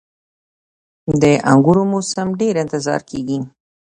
• د انګورو موسم ډیر انتظار کیږي.